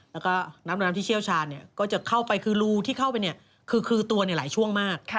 แล้วก็น้ำน้ำที่เชี่ยวชาญก็จะเข้าไปคือรูที่เข้าไปเนี่ยคือตัวหลายช่วงมาก